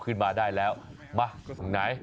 ผมเอาได้แล้วกัน